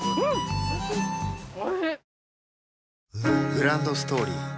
グランドストーリー